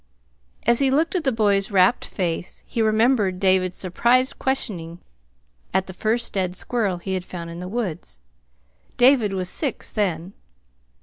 As he looked at the boy's rapt face, he remembered David's surprised questioning at the first dead squirrel he had found in the woods. David was six then.